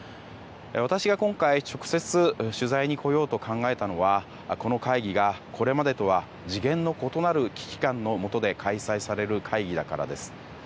私が今回、直接取材に来ようと考えたのはこの会議がこれまでとは、次元の異なる危機感のもとで開催される会議だからです。